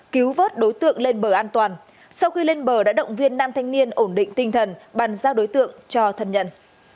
cho các thanh niên ổn định tinh thần bằng giác đối tượng cho thân nhận